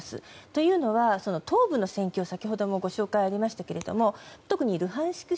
というのは、東部の戦況先ほどもご紹介がありましたが特にルハンシク